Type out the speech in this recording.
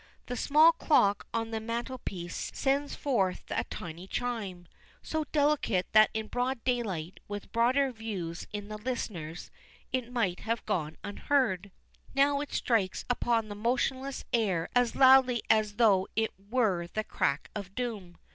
The small clock on the mantel piece sends forth a tiny chime, so delicate that in broad daylight, with broader views in the listeners, it might have gone unheard. Now it strikes upon the motionless air as loudly as though it were the crack of doom.